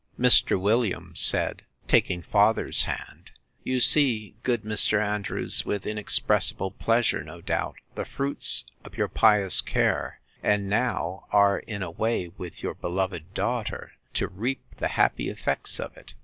Mr. Williams said, taking father's hand, You see, good Mr. Andrews, with inexpressible pleasure, no doubt, the fruits of your pious care; and now are in a way, with your beloved daughter, to reap the happy effects of it.